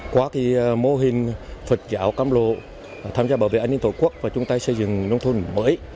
qua cái mô hình phật giáo cam lộ tham gia bảo vệ an ninh tội quốc và chúng ta xây dựng nông thôn mới